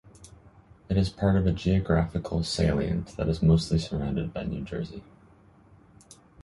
It is part of a geographical salient that is mostly surrounded by New Jersey.